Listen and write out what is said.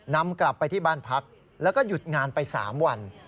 นำกลับไปที่บ้านพักแล้วก็หยุดงานไป๓วัน